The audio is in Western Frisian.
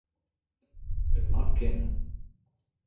It moat kinne.